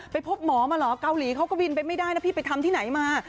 พบหมอมาเหรอเกาหลีเขาก็บินไปไม่ได้นะพี่ไปทำที่ไหนมา